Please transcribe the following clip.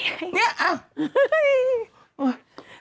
ให้